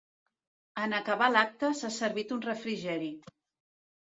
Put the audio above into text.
En acabar l’acte, s’ha servit un refrigeri.